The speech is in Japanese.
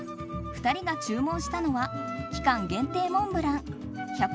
２人が注文したのは期間限定モンブラン。